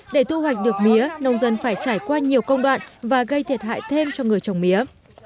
để thu hoạch được mía nông dân phải trải qua nhiều công đoạn và gây thiệt hại thêm cho người trồng mía